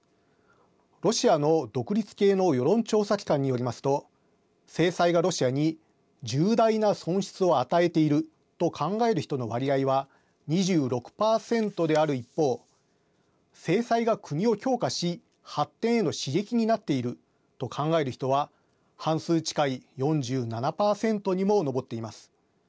ロシアの独立系の世論調査機関によりますと制裁がロシアに重大な損失を与えていると考える人の割合は２６％である一方制裁が国を強化し発展への刺激になっていると考える人は半数近い４７％にも上っています。